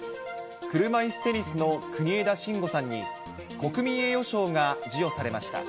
車いすテニスの国枝慎吾さんに、国民栄誉賞が授与されました。